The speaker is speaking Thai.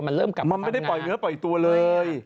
มันไม่ได้ปล่อยเนื้อปล่อยตัวเลย